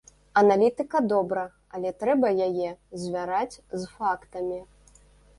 Аналітыка добра, але трэба яе звяраць з фактамі.